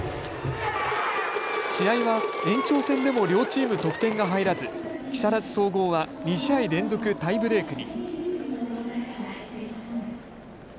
試合は延長戦でも両チーム得点が入らず木更津総合は２試合連続タイブレークに。